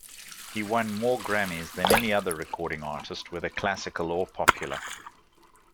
He won more Grammys than any other recording artist, whether classical or popular.